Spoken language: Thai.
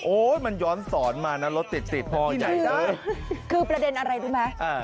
มันย้อนสอนมานะรถติดติดพอเข้าใจได้คือประเด็นอะไรรู้ไหมอ่า